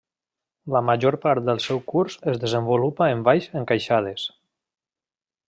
La major part del seu curs es desenvolupa en valls encaixades.